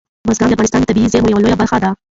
بزګان د افغانستان د طبیعي زیرمو یوه لویه برخه ده.